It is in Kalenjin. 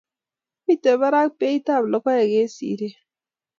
Mito barak beit ab logeik eng' siret